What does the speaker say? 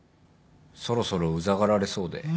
そろそろうざがられそうで。